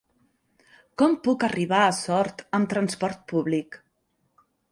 Com puc arribar a Sort amb trasport públic?